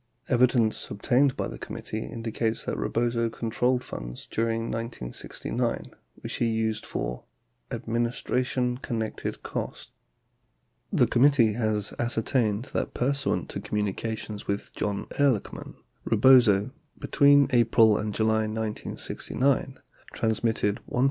34 Evidence ob tained by the committee indicates that Rebozo controlled funds during 1969 which he used for "administration connected costs." 35 The committee has ascertained that pursuant to communications with John Ehrlichman, Rebozo, between April and July 1969, trans mitted $1,416.